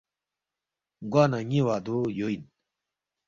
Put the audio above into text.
گوانہ ن٘ی وعدو یو اِن